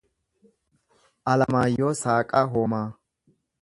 Alamaayyoo Saaqaa Hoomaa